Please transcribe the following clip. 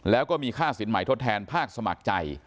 แล้วก็มีค่าสินใหม่ทดแทนภาคสมัครใจ